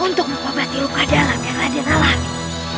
untuk memobati luka dalam yang raden alami